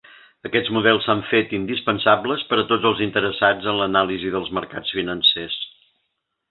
Aquests models s'han fet indispensables per a tots els interessats en l'anàlisi dels mercats financers.